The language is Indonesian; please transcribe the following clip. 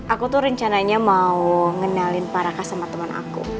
aku tuh rencananya mau ngenalin pak raka sama temen aku